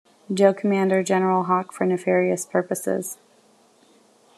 Joe commander General Hawk for nefarious purposes.